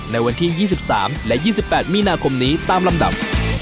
ในวันที่๒๓และ๒๘มีนาคมนี้ตามลำดับ